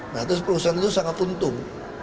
nah terus perusahaan itu sangat untung